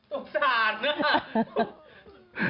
โฆษานะ